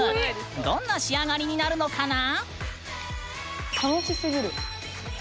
どんな仕上がりになるのかな？